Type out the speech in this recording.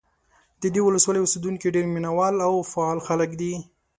د دې ولسوالۍ اوسېدونکي ډېر مینه وال او فعال خلک دي.